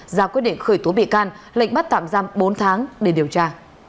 ra quyết định khởi tố bị can lệnh bắt tạm giam bốn tháng để điều tra